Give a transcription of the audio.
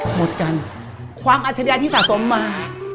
หมดกันความอัชญาที่สะสมมา